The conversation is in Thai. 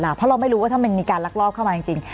เพราะเราไม่รู้ว่าถ้ามันมีการลักลอบเข้ามาจริง